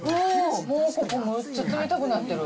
もうここ、むっちゃ冷たくなってる。